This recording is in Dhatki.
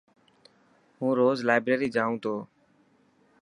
هون روز لائبريري جائون تو.